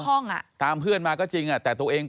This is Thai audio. ก็มีการออกรูปรวมปัญญาหลักฐานออกมาจับได้ทั้งหมด